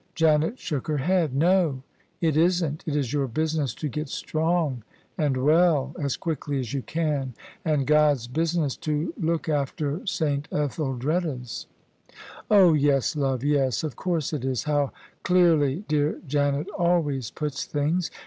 Janet shook her head. " No, it isn't ; it is your business to get strong and well as quickly as you can, and Gk)d's business to look after S. Etheldreda's." "Oh, yes, love, yes; of course it is; how clearly dear Janet always puts things!